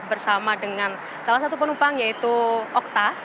bersama dengan salah satu penumpang yaitu okta